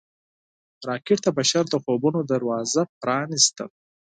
راکټ د بشر د خوبونو دروازه پرانیسته